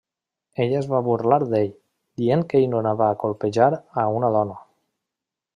Ella es va burlar d'ell, dient que ell no anava a colpejar a una dona.